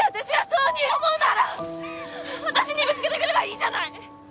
そう思うならわたしにぶつけてくればいいじゃない！